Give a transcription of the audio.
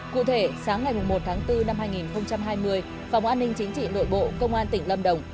cụ thể sáng ngày một tháng bốn năm hai nghìn hai mươi phòng an ninh chính trị nội bộ công an tỉnh lâm đồng